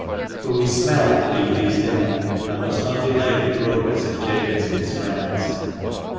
But we smell the feoffees' dinner, and must not delay the progress of Jabez and his friends.